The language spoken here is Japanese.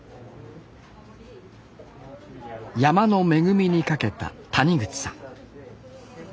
山の恵みにかけた谷口さん